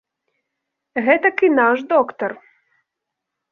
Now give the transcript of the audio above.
Гэтак і наш доктар.